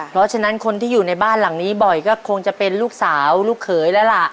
เพราะฉะนั้นคนที่อยู่ในบ้านหลังนี้บ่อยก็คงจะเป็นลูกสาวลูกเขยแล้วล่ะ